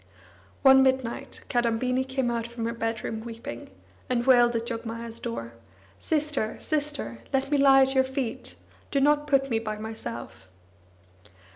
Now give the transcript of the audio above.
One midnight, Kadambini came out from her bedroom weeping, and wailed at Jogmaya's door: "Sister, sister, let me lie at your feet! Do not put me by myself!"